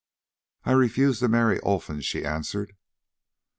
"I refuse to marry Olfan," she answered.